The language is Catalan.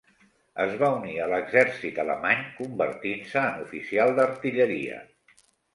Es va unir a l'exèrcit alemany, convertint-se en oficial d'artilleria.